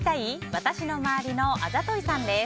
私の周りのあざといさんです。